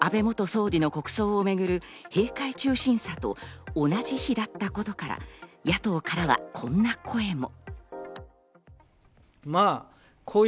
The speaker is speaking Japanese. その公表が安倍元総理の国葬を巡る閉会中審査と同じ日だったことから、野党からは、こんな声も。